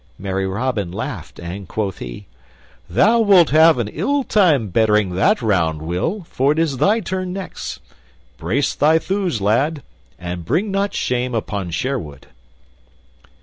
Merry Robin laughed, and quoth he, "Thou wilt have an ill time bettering that round, Will, for it is thy turn next. Brace thy thews, lad, and bring not shame upon Sherwood."